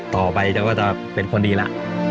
ต่อไปก็จะเป็นคนดีละ